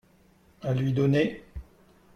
à lui donner.